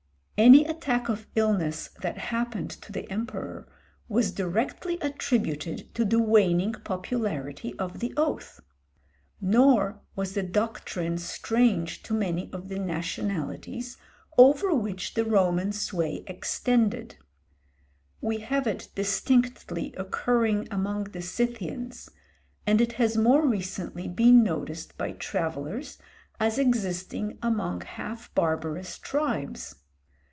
Any attack of illness that happened to the emperor was directly attributed to the waning popularity of the oath. Nor was the doctrine strange to many of the nationalities over which the Roman sway extended. We have it distinctly occurring among the Scythians, and it has more recently been noticed by travellers as existing among half barbarous tribes.